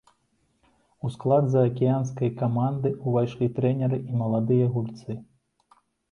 У склад заакіянскай каманды ўвайшлі трэнеры і маладыя гульцы.